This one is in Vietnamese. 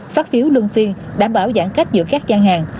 phát phiếu luân phiên đảm bảo giãn cách giữa các gian hàng